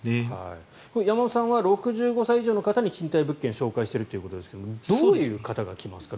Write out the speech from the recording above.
山本さんは６５歳以上の方に賃貸物件を紹介しているということですがどういう方が来ますか？